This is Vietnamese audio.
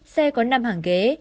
xe có năm hàng ghế